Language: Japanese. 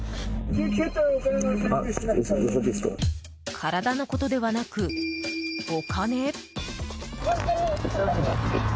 体のことではなく、お金？